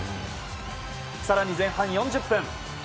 更に前半４０分。